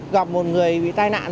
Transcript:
gặp một người bị tai nạn